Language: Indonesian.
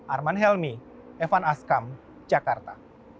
arman helmi evan askam jakarta